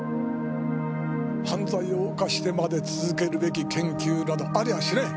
犯罪を犯してまで続けるべき研究などありはしない。